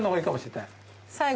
最後。